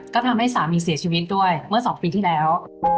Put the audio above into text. ก็ทำให้สามีเสียชีวิตด้วยเมื่อ๒ปีที่แล้ว